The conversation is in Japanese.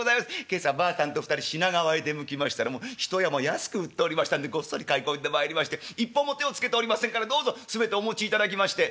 今朝ばあさんと２人品川へ出向きましたら１山安く売っておりましたんでごっそり買い込んでまいりまして一本も手をつけておりませんからどうぞ全てお持ちいただきまして」。